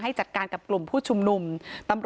จัดการกับกลุ่มผู้ชุมนุม